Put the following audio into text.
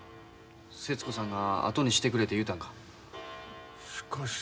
節子さんがあとにしてくれて言うたんか？